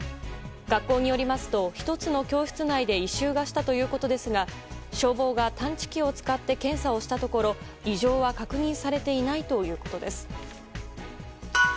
学校によりますと１つの教室内で異臭がしたということですが消防が、探知機を使って検査をしたところ異常は確認されていないということです。